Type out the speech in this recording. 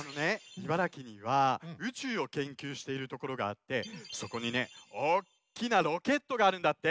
茨城には宇宙をけんきゅうしているところがあってそこにねおっきなロケットがあるんだって！